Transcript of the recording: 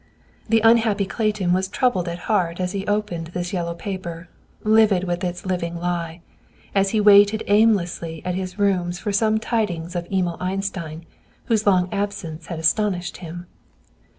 The unhappy Clayton was troubled at heart as he opened this yellow paper, livid with its living lie, as he waited aimlessly at his rooms for some tidings from Emil Einstein, whose long absence had astonished him.